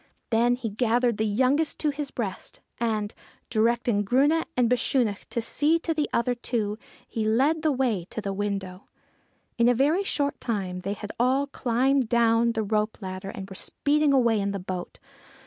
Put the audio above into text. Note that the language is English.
Then he gathered the youngest to his breast, and, directing Grunne and Bechunach to see to the other two, he led the way to the window. In a very short time they had all climbed down the rope ladder and were speeding away in the boat.